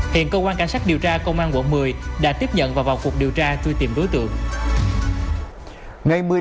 hiện công an cảnh sát điều tra công an quận một mươi đã tiếp nhận vào cuộc điều tra tuy tìm đối tượng